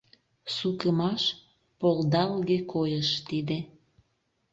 Сукымаш — полдалге койыш тиде